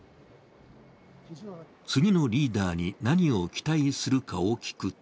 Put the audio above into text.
次のリーダーに何を期待するかを聞くと